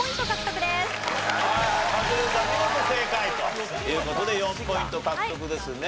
はいカズレーザー見事正解という事で４ポイント獲得ですね。